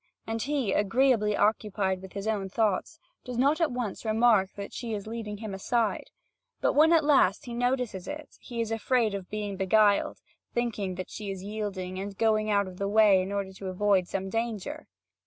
And he, agreeably occupied with his own thoughts, does not at once remark that she is leading him aside; but when at last he notices it, he is afraid of being beguiled, thinking that she is yielding and is going out of the way in order to avoid some danger.